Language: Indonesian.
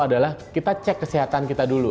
adalah kita cek kesehatan kita dulu